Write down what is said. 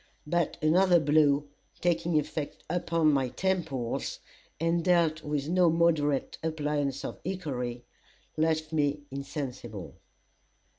But another blow, taking effect upon my temples, and dealt with no moderate appliance of hickory, left me insensible.